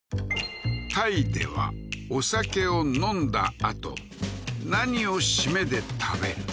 タイではお酒を飲んだ後何をシメで食べる？